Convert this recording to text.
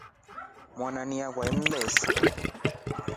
Mwanana akwa alimleshi.